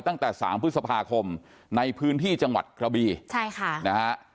ตั้งแต่สามพฤษภาคมในพื้นที่จังหวัดกระบีใช่ค่ะนะฮะ